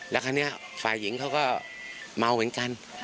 แล้วคราวนี้ฝ่ายหญิงเขาก็เมาเหมือนกัน